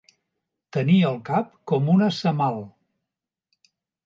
Tenir el cap com una semal.